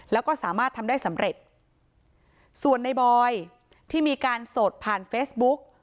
แล้วก็สามารถทำได้สำเร็จส่วนในบอยที่มีการสดผ่านเฟซบุ๊ก